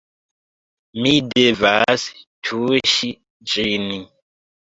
Mi devas tuŝi ĝin